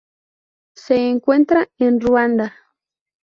Se encuentra en Ruanda.